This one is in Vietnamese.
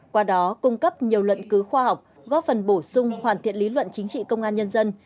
qua đó cung cấp nhiều luận cứu khoa học góp phần bổ sung hoàn thiện lý luận chính trị công an nhân dân